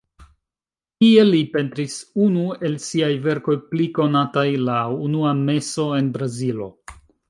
Tie li pentris unu el siaj verkoj pli konataj: "La unua meso en Brazilo".